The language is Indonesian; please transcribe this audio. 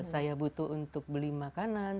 saya butuh untuk beli makanan